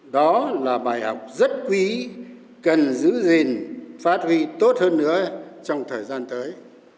đó là bài học rất quý cần giữ gìn phát huy tốt hơn nữa trong thời gian tới